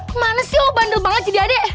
kemana sih lo bandel banget jadi adek